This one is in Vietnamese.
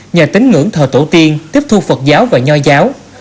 nhà tính ngưỡng thờ tổ tiên tiếp thu phật giáo và nho giáo